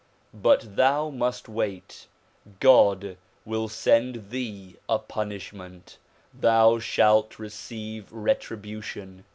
But thou must wait; God will send thee a punishment; thou shalt receive retribution.